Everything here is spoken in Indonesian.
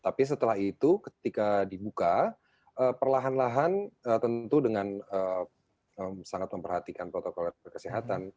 tapi setelah itu ketika dibuka perlahan lahan tentu dengan sangat memperhatikan protokol kesehatan